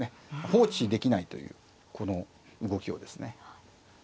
放置できないというこの動きをですね。